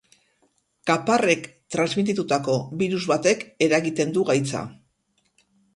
Kaparrek transmititutako birus batek eragiten du gaitza.